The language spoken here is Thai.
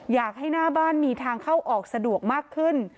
อยากให้หน้าบ้านมีทางเข้าออกสะดวกมากขึ้น